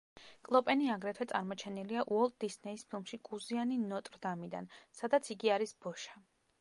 კლოპენი აგრეთვე წარმოჩენილია უოლტ დისნეის ფილმში „კუზიანი ნოტრ-დამიდან“, სადაც იგი არის ბოშა.